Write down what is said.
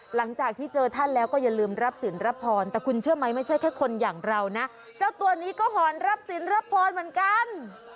หลังจากที่เจอท่านแล้วก็อย่าลืมรับสินรับภอนจะตัวนี้ก็หอนรับสินรับภอนเหมือนกัน